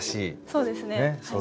そうですね。